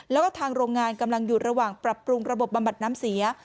แล้วก็ทางโรงงานกำลังอยู่ระหว่างปรับปรุงระบบบำบัดน้ำเสีย